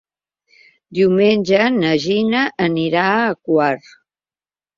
Diumenge na Gina anirà a Quart.